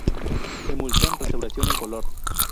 Emulsión restauración en color.